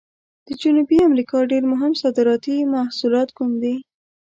د جنوبي امریکا ډېر مهم صادراتي محصولات کوم دي؟